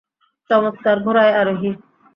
চমৎকার ঘোড়ায় আরোহী।